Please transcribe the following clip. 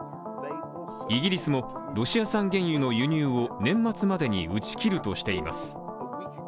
イギリスも、ロシア産原油の輸入を年末までに打ち切るとしています。